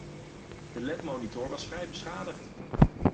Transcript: De LED monitor was vrij beschadigd.